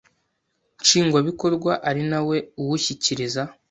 Nshingwabikorwa ari na we uwushyikiriza